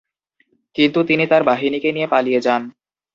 কিন্তু তিনি তার বাহিনীকে নিয়ে পালিয়ে যান।